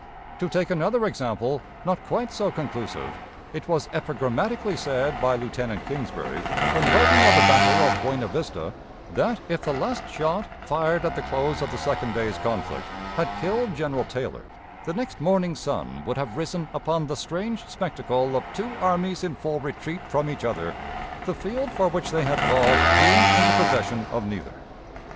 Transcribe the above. To take another example, not quite so conclusive, it was epigrammatically said by Lieutenant Kingsbury, when writing of the battle of Buena Vista, that if the last shot, fired at the close of the second day's conflict, had killed General Taylor, the next morning's sun would have risen upon the strange spectacle of two armies in full retreat from each other, the field for which they had fought being in the possession of neither.